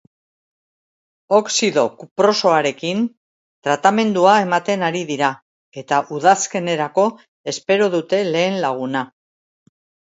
Oxido kuprosoarekin tratamendua ematen ari dira eta udazkenerako espero dute lehen laguna.